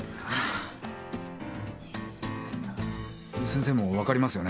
先生も分かりますよね？